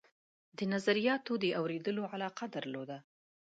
نظریاتو له اورېدلو علاقه درلوده.